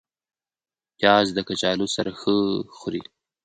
پیاز د کچالو سره ښه خوري